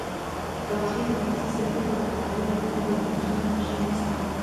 کبابي د تازه سکروټو د راوړلو لپاره یو کوچنی ماشوم واستاوه.